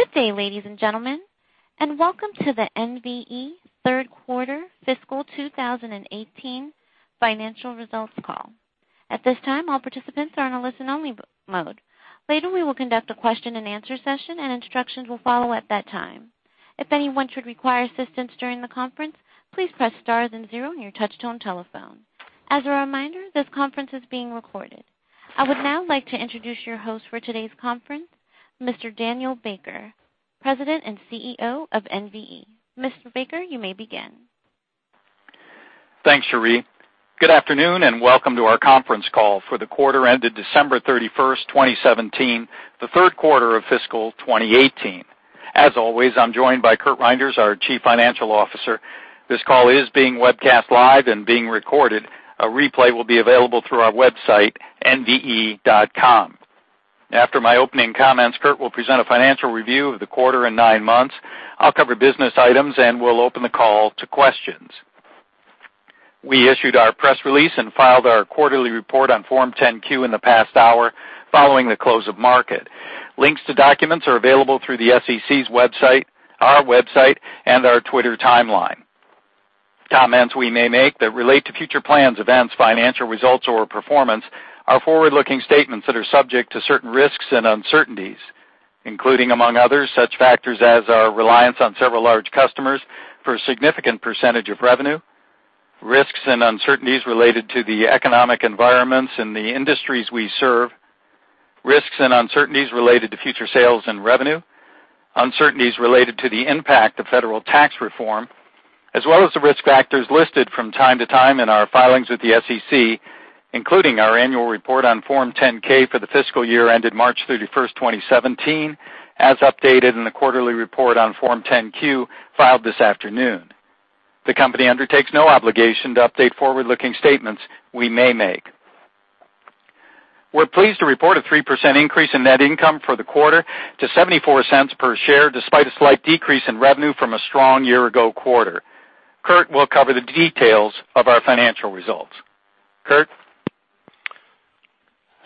Good day, ladies and gentlemen, and welcome to the NVE third quarter fiscal 2018 financial results call. At this time, all participants are in a listen-only mode. Later, we will conduct a question and answer session, and instructions will follow at that time. If anyone should require assistance during the conference, please press star then zero on your touch-tone telephone. As a reminder, this conference is being recorded. I would now like to introduce your host for today's conference, Mr. Daniel Baker, President and CEO of NVE. Mr. Baker, you may begin. Thanks, [Cherie]. Good afternoon, and welcome to our conference call for the quarter ended 31 December 2017, the third quarter of fiscal 2018. As always, I'm joined by Kurt Reinders, our chief financial officer. This call is being webcast live and being recorded. A replay will be available through our website, nve.com. After my opening comments, Kurt will present a financial review of the quarter and nine months. I'll cover business items, and we'll open the call to questions. We issued our press release and filed our quarterly report on Form 10-Q in the past hour, following the close of market. Links to documents are available through the SEC's website, our website and our Twitter timeline. Comments we may make that relate to future plans, events, financial results, or performance are forward-looking statements that are subject to certain risks and uncertainties, including, among others, such factors as our reliance on several large customers for a significant percentage of revenue, risks and uncertainties related to the economic environments in the industries we serve, risks and uncertainties related to future sales and revenue, uncertainties related to the impact of federal tax reform, as well as the risk factors listed from time to time in our filings with the SEC, including our annual report on Form 10-K for the fiscal year ended 31 March 2017, as updated in the quarterly report on Form 10-Q filed this afternoon. The company undertakes no obligation to update forward-looking statements we may make. We're pleased to report a 3% increase in net income for the quarter to $0.74 per share, despite a slight decrease in revenue from a strong year ago quarter. Kurt will cover the details of our financial results. Kurt?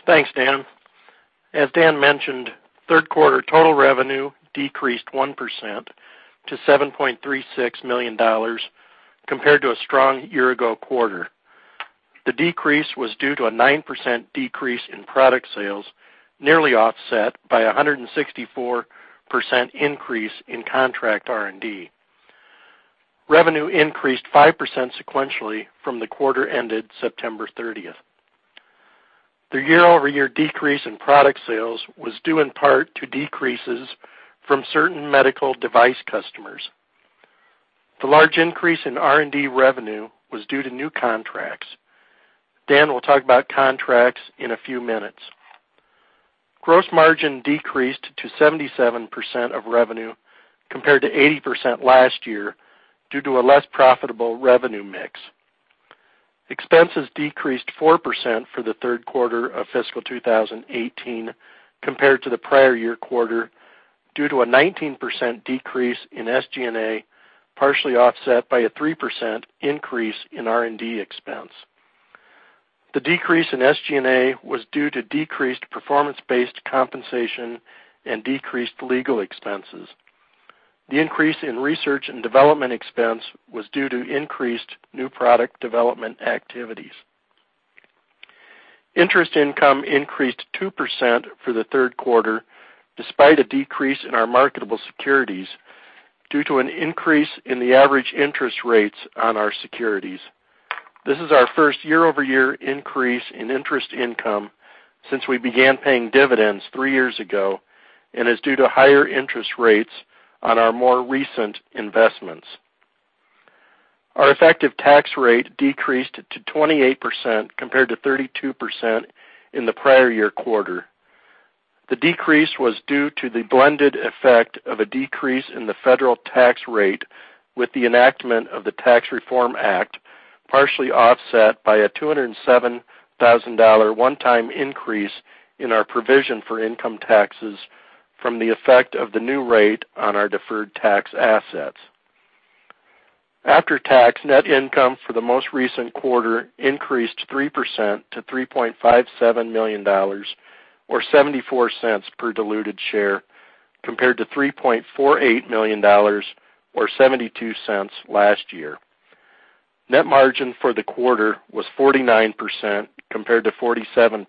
Thanks, Dan. As Dan mentioned, third quarter total revenue decreased 1% to $7.36 million compared to a strong year ago quarter. The decrease was due to a 9% decrease in product sales, nearly offset by 164% increase in contract R&D. Revenue increased 5% sequentially from the quarter ended September 30th. The year-over-year decrease in product sales was due in part to decreases from certain medical device customers. The large increase in R&D revenue was due to new contracts. Dan will talk about contracts in a few minutes. Gross margin decreased to 77% of revenue, compared to 80% last year due to a less profitable revenue mix. Expenses decreased 4% for the third quarter of fiscal 2018 compared to the prior year quarter, due to a 19% decrease in SG&A, partially offset by a 3% increase in R&D expense. The decrease in SG&A was due to decreased performance-based compensation and decreased legal expenses. The increase in research and development expense was due to increased new product development activities. Interest income increased 2% for the third quarter, despite a decrease in our marketable securities due to an increase in the average interest rates on our securities. This is our first year-over-year increase in interest income since we began paying dividends three years ago and is due to higher interest rates on our more recent investments. Our effective tax rate decreased to 28%, compared to 32% in the prior year quarter. The decrease was due to the blended effect of a decrease in the federal tax rate with the enactment of the Tax Reform Act, partially offset by a $207,000 one-time increase in our provision for income taxes from the effect of the new rate on our deferred tax assets. After-tax net income for the most recent quarter increased 3% to $3.57 million, or $0.74 per diluted share, compared to $3.48 million or $0.72 last year. Net margin for the quarter was 49% compared to 47%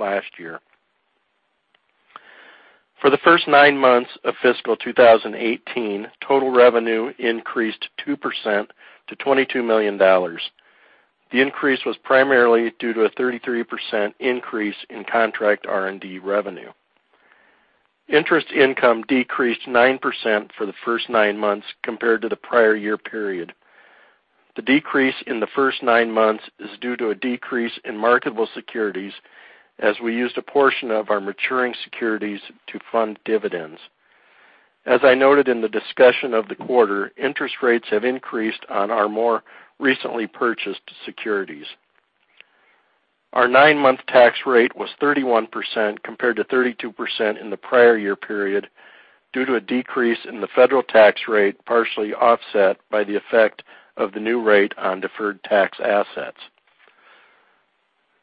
last year. For the first nine months of fiscal 2018, total revenue increased 2% to $22 million. The increase was primarily due to a 33% increase in contract R&D revenue. Interest income decreased 9% for the first nine months compared to the prior year period. The decrease in the first nine months is due to a decrease in marketable securities as we used a portion of our maturing securities to fund dividends. As I noted in the discussion of the quarter, interest rates have increased on our more recently purchased securities. Our nine-month tax rate was 31% compared to 32% in the prior year period due to a decrease in the federal tax rate, partially offset by the effect of the new rate on deferred tax assets.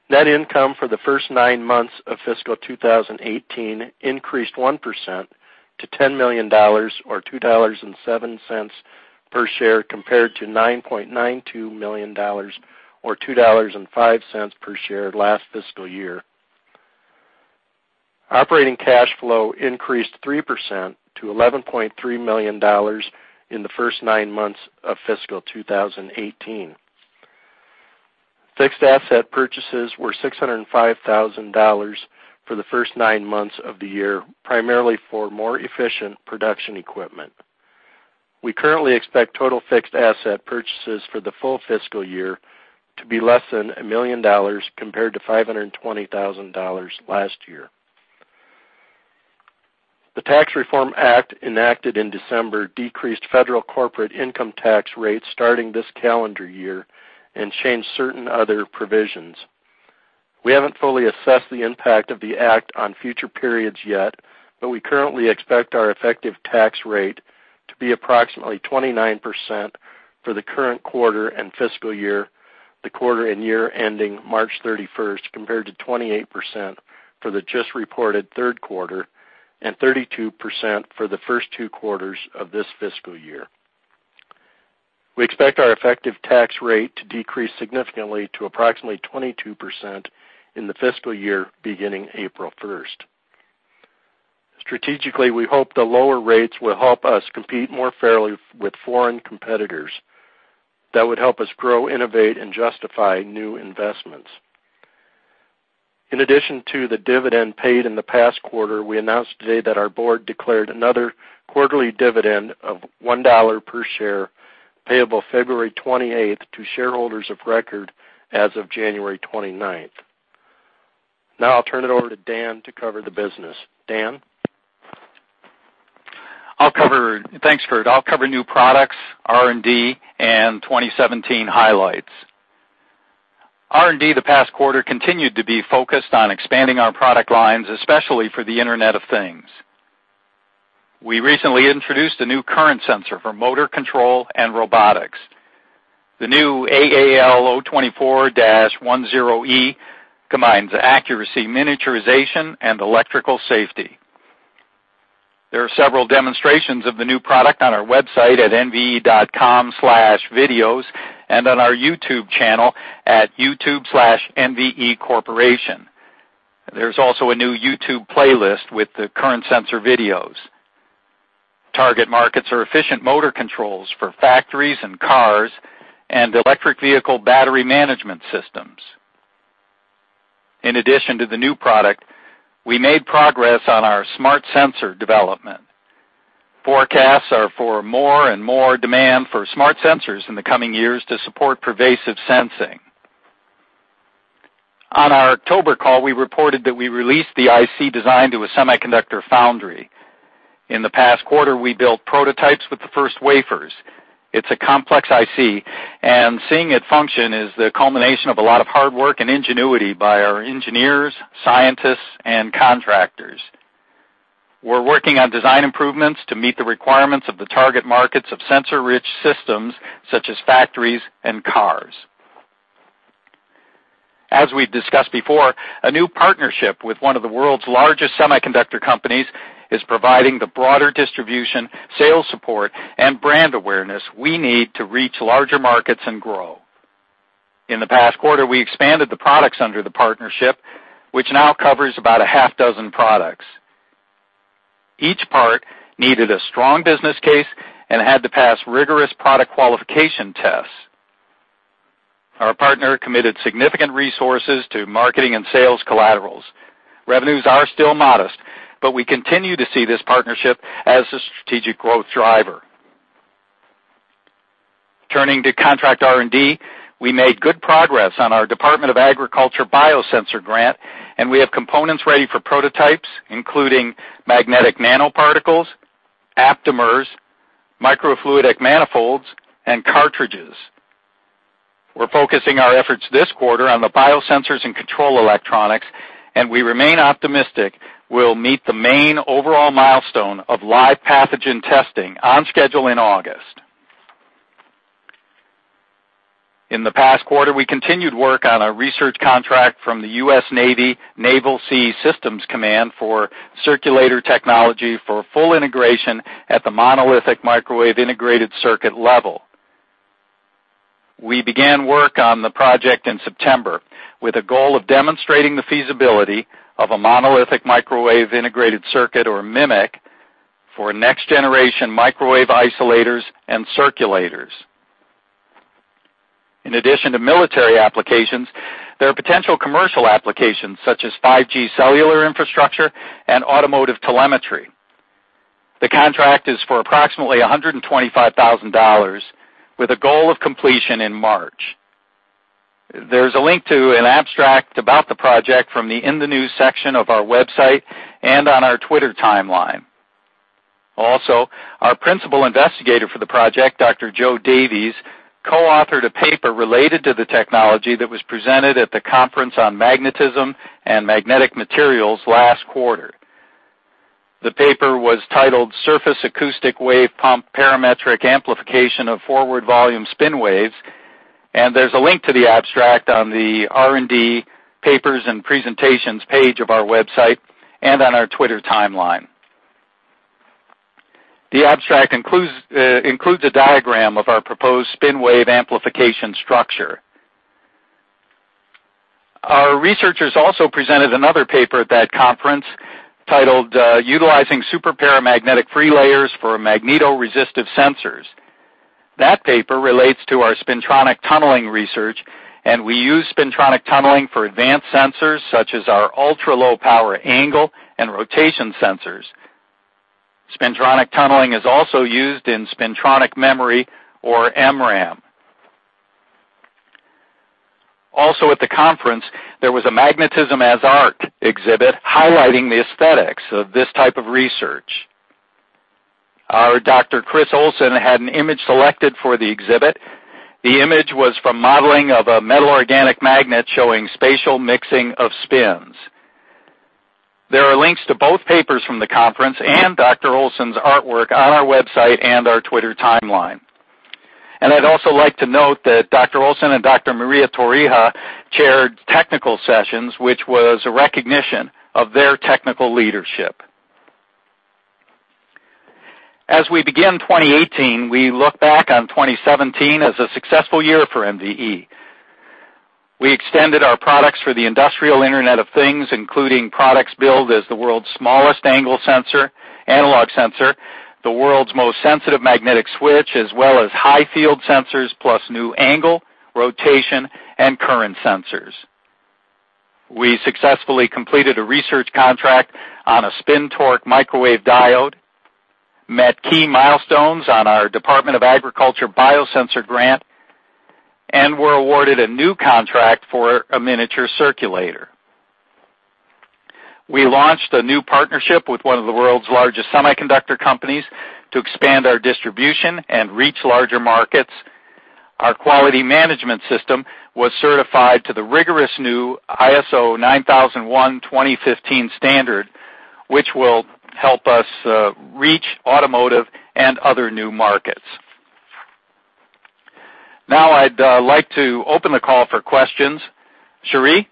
Net income for the first nine months of fiscal 2018 increased 1% to $10 million, or $2.07 per share, compared to $9.92 million, or $2.05 per share last fiscal year. Operating cash flow increased 3% to $11.3 million in the first nine months of fiscal 2018. Fixed asset purchases were $605,000 for the first nine months of the year, primarily for more efficient production equipment. We currently expect total fixed asset purchases for the full fiscal year to be less than a million dollars, compared to $520,000 last year. The Tax Reform Act enacted in December decreased federal corporate income tax rates starting this calendar year and changed certain other provisions. We haven't fully assessed the impact of the act on future periods yet, but we currently expect our effective tax rate to be approximately 29% for the current quarter and fiscal year, the quarter and year ending March 31st, compared to 28% for the just reported third quarter and 32% for the first two quarters of this fiscal year. We expect our effective tax rate to decrease significantly to approximately 22% in the fiscal year beginning April 1st. Strategically, we hope the lower rates will help us compete more fairly with foreign competitors. That would help us grow, innovate, and justify new investments. In addition to the dividend paid in the past quarter, we announced today that our board declared another quarterly dividend of $1 per share, payable February 28th to shareholders of record as of January 29th. Now I'll turn it over to Dan to cover the business. Dan? Thanks, Kurt. I'll cover new products, R&D, and 2017 highlights. R&D the past quarter continued to be focused on expanding our product lines, especially for the Internet of Things. We recently introduced a new current sensor for motor control and robotics. The new AAL024-10E combines accuracy, miniaturization, and electrical safety. There are several demonstrations of the new product on our website at nve.com/videos, and on our YouTube channel at youtube/nvecorporation. There's also a new YouTube playlist with the current sensor videos. Target markets are efficient motor controls for factories and cars and electric vehicle battery management systems. In addition to the new product, we made progress on our smart sensor development. Forecasts are for more and more demand for smart sensors in the coming years to support pervasive sensing. On our October call, we reported that we released the IC design to a semiconductor foundry. In the past quarter, we built prototypes with the first wafers. It's a complex IC, and seeing it function is the culmination of a lot of hard work and ingenuity by our engineers, scientists, and contractors. We're working on design improvements to meet the requirements of the target markets of sensor-rich systems, such as factories and cars. As we've discussed before, a new partnership with one of the world's largest semiconductor companies is providing the broader distribution, sales support, and brand awareness we need to reach larger markets and grow. In the past quarter, we expanded the products under the partnership, which now covers about a half dozen products. Each part needed a strong business case and had to pass rigorous product qualification tests. Our partner committed significant resources to marketing and sales collaterals. Revenues are still modest, but we continue to see this partnership as a strategic growth driver. Turning to contract R&D, we made good progress on our Department of Agriculture biosensor grant, and we have components ready for prototypes, including magnetic nanoparticles, aptamers, microfluidic manifolds, and cartridges. We're focusing our efforts this quarter on the biosensors and control electronics, and we remain optimistic we'll meet the main overall milestone of live pathogen testing on schedule in August. In the past quarter, we continued work on a research contract from the U.S. Navy, Naval Sea Systems Command, for circulator technology for full integration at the monolithic microwave integrated circuit level. We began work on the project in September with a goal of demonstrating the feasibility of a monolithic microwave integrated circuit, or MMIC, for next-generation microwave isolators and circulators. In addition to military applications, there are potential commercial applications such as 5G cellular infrastructure and automotive telemetry. The contract is for approximately $125,000 with a goal of completion in March. There is a link to an abstract about the project from the In the News section of our website and on our Twitter timeline. Our principal investigator for the project, Dr. Joe Davies, co-authored a paper related to the technology that was presented at the Conference on Magnetism and Magnetic Materials last quarter. The paper was titled "Surface Acoustic Wave Pump Parametric Amplification of Forward Volume Spin Waves," and there is a link to the abstract on the R&D Papers and Presentations page of our website and on our Twitter timeline. The abstract includes a diagram of our proposed spin wave amplification structure. Our researchers presented another paper at that conference titled, "Utilizing Superparamagnetic Freelayers for Magnetoresistive Sensors." That paper relates to our spintronic tunneling research, and we use spintronic tunneling for advanced sensors such as our ultra-low power angle and rotation sensors. Spintronic tunneling is also used in spintronic memory or MRAM. At the conference, there was a Magnetism as Art exhibit highlighting the aesthetics of this type of research. Our Dr. Chris Olson had an image selected for the exhibit. The image was from modeling of a metal organic magnet showing spatial mixing of spins. There are links to both papers from the conference and Dr. Olson's artwork on our website and our Twitter timeline. I would also like to note that Dr. Olson and Dr. Maria Torija chaired technical sessions, which was a recognition of their technical leadership. As we begin 2018, we look back on 2017 as a successful year for NVE. We extended our products for the industrial Internet of Things, including products billed as the world's smallest angle sensor, analog sensor, the world's most sensitive magnetic switch, as well as high field sensors, plus new angle, rotation, and current sensors. We successfully completed a research contract on a spin torque microwave diode, met key milestones on our Department of Agriculture biosensor grant, and were awarded a new contract for a miniature circulator. We launched a new partnership with one of the world's largest semiconductor companies to expand our distribution and reach larger markets. Our quality management system was certified to the rigorous new ISO 9001:2015 standard, which will help us reach automotive and other new markets. I would like to open the call for questions. [Cherie]?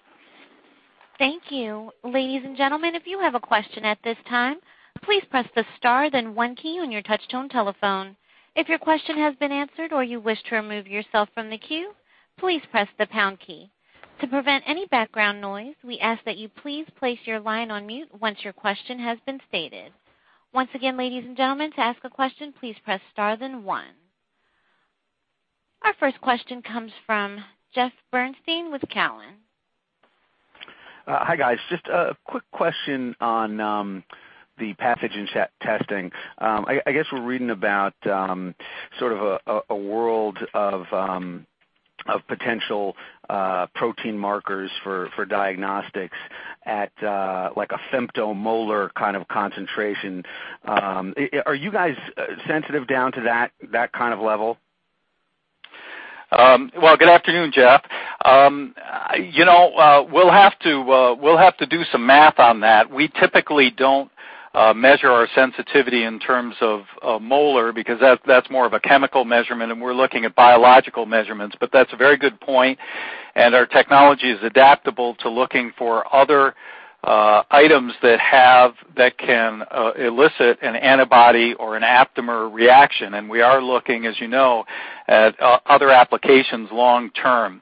Thank you. Ladies and gentlemen, if you have a question at this time, please press the star then one key on your touch tone telephone. If your question has been answered or you wish to remove yourself from the queue, please press the pound key. To prevent any background noise, we ask that you please place your line on mute once your question has been stated. Once again, ladies and gentlemen, to ask a question, please press star then one. Our first question comes from Jeff Bernstein with Cowen. Hi, guys. Just a quick question on the pathogen testing. I guess we're reading about sort of a world of potential protein markers for diagnostics at a femtomolar kind of concentration. Are you guys sensitive down to that kind of level? Well, good afternoon, Jeff. We'll have to do some math on that. We typically don't measure our sensitivity in terms of molar because that's more of a chemical measurement, and we're looking at biological measurements. That's a very good point. Our technology is adaptable to looking for other items that can elicit an antibody or an aptamer reaction. We are looking, as you know, at other applications long term.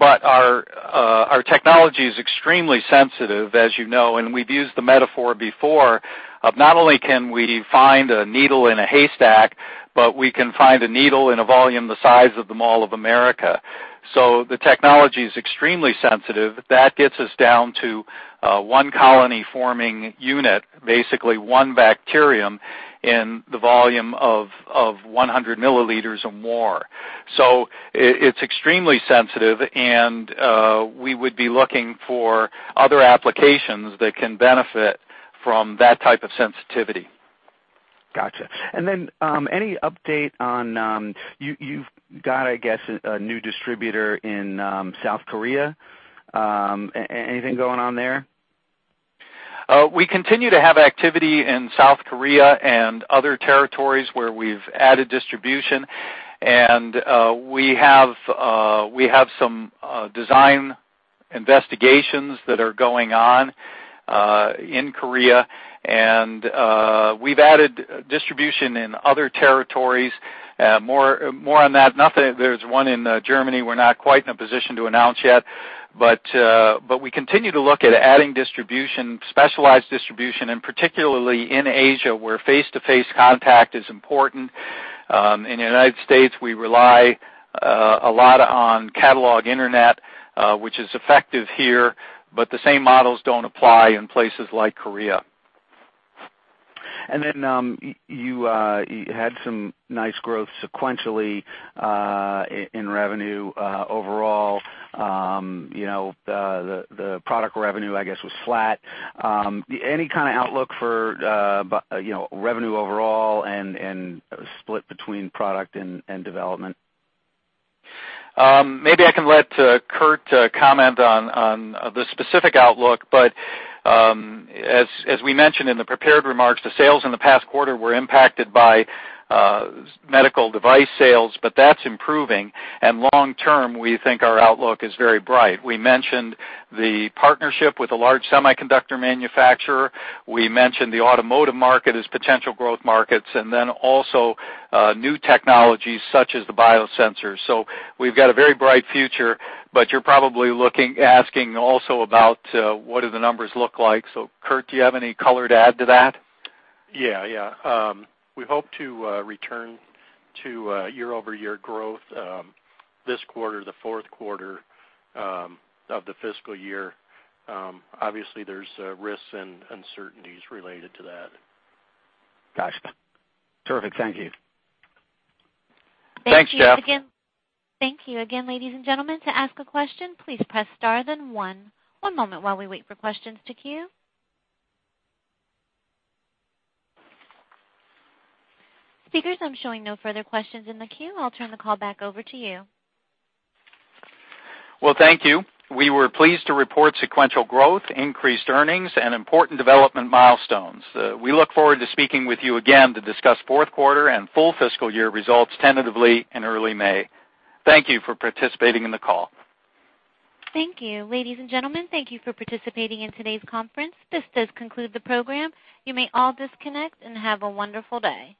Our technology is extremely sensitive, as you know. We've used the metaphor before of not only can we find a needle in a haystack, but we can find a needle in a volume the size of the Mall of America. The technology is extremely sensitive. That gets us down to one colony-forming unit, basically one bacterium in the volume of 100 milliliters or more. It's extremely sensitive. We would be looking for other applications that can benefit from that type of sensitivity. Got you. Then, any update on You've got, I guess, a new distributor in South Korea? We continue to have activity in South Korea and other territories where we've added distribution. We have some design investigations that are going on in Korea. We've added distribution in other territories. More on that. There's one in Germany we're not quite in a position to announce yet. We continue to look at adding distribution, specialized distribution, particularly in Asia, where face-to-face contact is important. In the United States, we rely a lot on catalog internet, which is effective here. The same models don't apply in places like Korea. You had some nice growth sequentially in revenue. Overall, the product revenue, I guess, was flat. Any kind of outlook for revenue overall and split between product and development? Maybe I can let Kurt comment on the specific outlook. As we mentioned in the prepared remarks, the sales in the past quarter were impacted by medical device sales, but that's improving, and long term, we think our outlook is very bright. We mentioned the partnership with a large semiconductor manufacturer. We mentioned the automotive market as potential growth markets, and then also new technologies such as the biosensors. We've got a very bright future, but you're probably asking also about what do the numbers look like. Kurt, do you have any color to add to that? Yeah. We hope to return to year-over-year growth this quarter, the fourth quarter of the fiscal year. Obviously, there's risks and uncertainties related to that. Got you. Terrific. Thank you. Thanks, Jeff. Thank you again, ladies and gentlemen. To ask a question, please press star then one. One moment while we wait for questions to queue. Speakers, I'm showing no further questions in the queue. I'll turn the call back over to you. Well, thank you. We were pleased to report sequential growth, increased earnings, and important development milestones. We look forward to speaking with you again to discuss Q4 and full fiscal year results tentatively in early May. Thank you for participating in the call. Thank you. Ladies and gentlemen, thank you for participating in today's conference. This does conclude the program. You may all disconnect, and have a wonderful day.